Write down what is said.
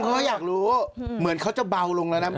เขาอยากรู้เหมือนเขาจะเบาลงแล้วนะ